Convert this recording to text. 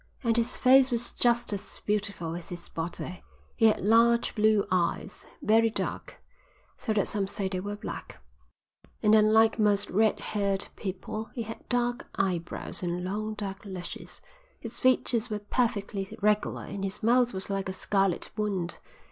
"And his face was just as beautiful as his body. He had large blue eyes, very dark, so that some say they were black, and unlike most red haired people he had dark eyebrows and long dark lashes. His features were perfectly regular and his mouth was like a scarlet wound.